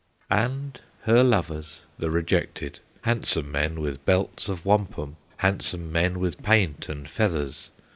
"And her lovers, the rejected, Handsome men with belts of wampum, Handsome men with paint and feathers.